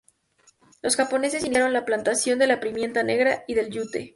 Los japoneses iniciaron la plantación de la pimienta negra y del yute.